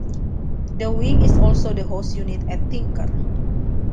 The wing is also the host unit at Tinker.